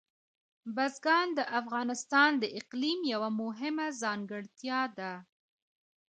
بزګان د افغانستان د اقلیم یوه مهمه ځانګړتیا ده.